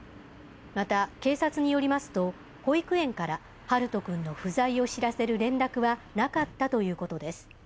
また警察によりますと、保育園から陽翔くんの不在を知らせる連絡はなかったということです。